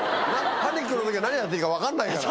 パニックの時は何やっていいか分かんないから。